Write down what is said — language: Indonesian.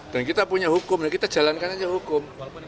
dan kita punya hukum kita jalankan saja hukum